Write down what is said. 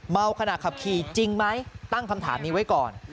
ขณะขับขี่จริงไหมตั้งคำถามนี้ไว้ก่อน